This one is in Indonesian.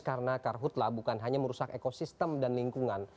karena karhutlah bukan hanya merusak ekosistem dan lingkungan